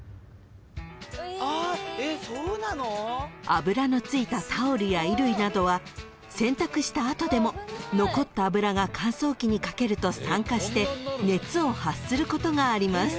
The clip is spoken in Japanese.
［油のついたタオルや衣類などは洗濯した後でも残った油が乾燥機にかけると酸化して熱を発することがあります］